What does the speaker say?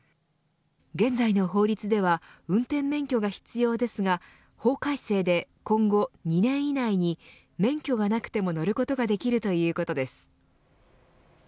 現在の法律では運転免許が必要ですが法改正で、今後２年以内に免許がなくても乗ることができるということです。